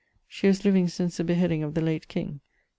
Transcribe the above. ☞ She was living since the beheading of the late King.